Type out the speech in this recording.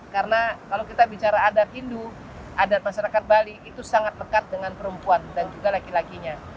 karena kalau kita bicara adat hindu adat masyarakat bali itu sangat dekat dengan perempuan dan juga laki lakinya